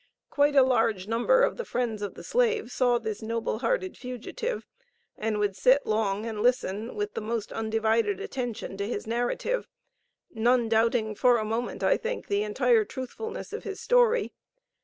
Quite a large number of the friends of the slave saw this noble hearted fugitive, and would sit long and listen with the most undivided attention to his narrative none doubting for a moment, I think, the entire truthfulness of his story.